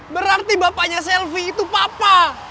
berarti bapaknya selvi itu papa